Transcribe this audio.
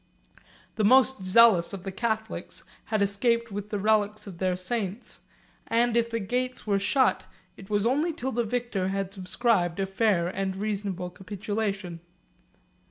178 The most zealous of the Catholics had escaped with the relics of their saints; and if the gates were shut, it was only till the victor had subscribed a fair and reasonable capitulation.